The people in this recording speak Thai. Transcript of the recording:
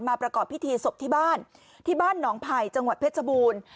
ประกอบพิธีศพที่บ้านที่บ้านหนองไผ่จังหวัดเพชรบูรณ์